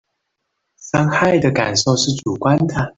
傷害的感受是主觀的